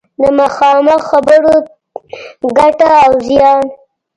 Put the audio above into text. د مخامخ خبرو ګټه او زیان